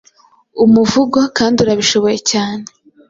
umuvugo kandi urabishoboye cyane.